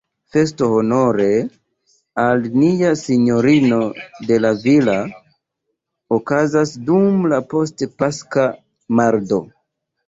Festo honore al Nia Sinjorino de La Villa okazas dum la post-paska mardo.